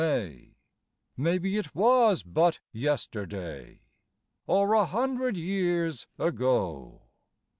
Maybe it was but yesterday, Or a hundred years ago.